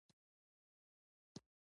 زه به په قلم باندې سپکې سپورې وليکم.